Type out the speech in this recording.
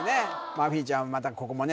マーフィーちゃんまたここもね